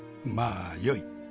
まあよい。